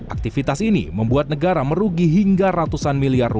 aktivitas ini membuat negara merugi hingga ratusan miliar